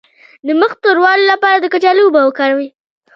د مخ د توروالي لپاره د کچالو اوبه وکاروئ